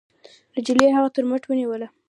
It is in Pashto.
نجلۍ هغه تر مټ ونيوله.